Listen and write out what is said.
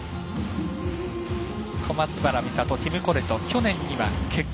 小松原美里、ティム・コレト。